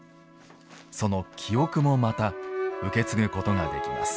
その記憶もまた受け継ぐことができます。